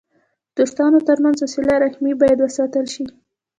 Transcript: د دوستانو ترمنځ وسیله رحمي باید وساتل سي.